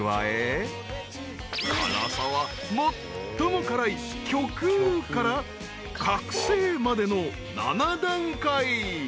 ［辛さは最も辛い虚空から覚醒までの７段階］